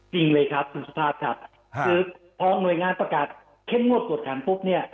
จริงเลยครับคุณสุภาพครับคือพอหน่วยงานประกาศเข้มงวดกวดขันปุ๊บเนี่ย